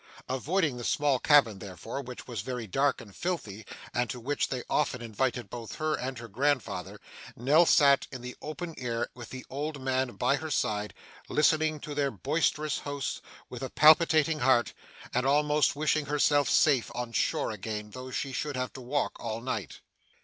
Avoiding the small cabin, therefore, which was very dark and filthy, and to which they often invited both her and her grandfather, Nell sat in the open air with the old man by her side: listening to their boisterous hosts with a palpitating heart, and almost wishing herself safe on shore again though she should have to walk all night.